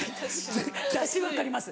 出汁分かります